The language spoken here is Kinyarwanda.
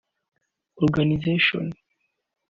Organizational